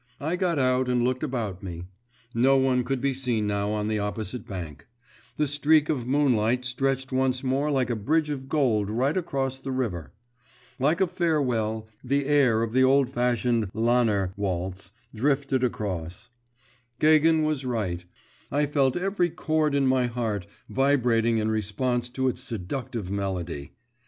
I got out and looked about me. No one could be seen now on the opposite bank. The streak of moonlight stretched once more like a bridge of gold right across the river. Like a farewell, the air of the old fashioned Lanner waltz drifted across. Gagin was right; I felt every chord in my heart vibrating in response to its seductive melody.